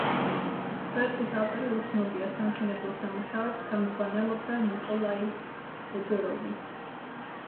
პროექტის ავტორი უცნობია, სამშენებლო სამუშაოებს ხელმძღვანელობდა ნიკოლაი ეგოროვი.